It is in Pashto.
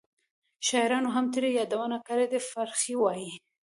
شاعرانو هم ترې یادونه کړې ده. فرخي وایي: